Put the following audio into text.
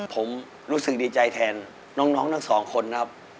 ผมรู้สึกดีใจแทนน้องน้องตั้ง๒คนนะครับ